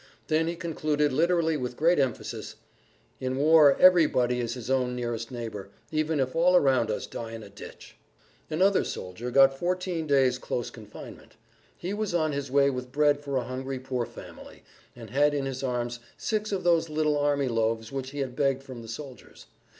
Then he concluded literally with great emphasis, "In war everybody is his own nearest neighbor, even if all around us die in a ditch." Another soldier got fourteen days' close confinement.[Pg 36] He was on his way with bread for a hungry poor family, and had in his arms six of those little army loaves which he had begged from the soldiers.